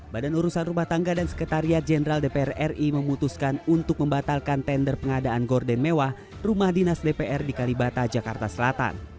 badan urusan rumah tangga dan sekretariat jenderal dpr ri memutuskan untuk membatalkan tender pengadaan gorden mewah rumah dinas dpr di kalibata jakarta selatan